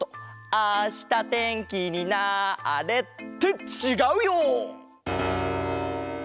あしたてんきになれ！ってちがうよ！